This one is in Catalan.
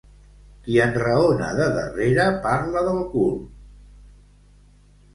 Qui enraona de darrere parla del cul.